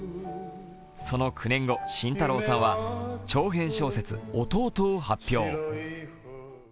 その９年後、慎太郎さんは長編小説「弟」を発表。